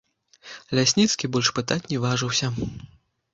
Лясніцкі больш пытаць не важыўся.